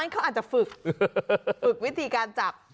เขาอาจจะฝึกฝึกวิธีการจับ